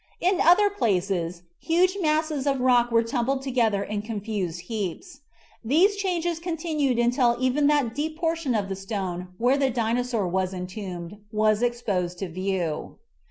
In other places huge masses of rock were tumbled together in confused heaps. These changes continued until even that deep portion of the stone where the Dinosaur was entombed was exposed to view.